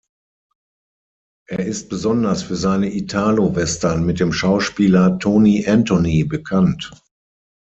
Er ist besonders für seine Italo-Western mit dem Schauspieler Tony Anthony bekannt.